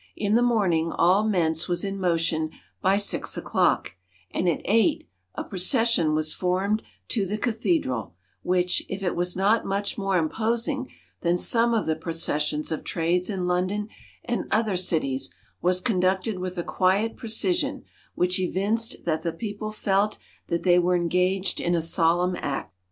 In the morning, all Mentz was in motion by six o'clock; and at eight, a procession was formed to the Cathedral, which, if it was not much more imposing than some of the processions of trades in London and other cities, was conducted with a quiet precision which evinced that the people felt that they were engaged in a solemn act.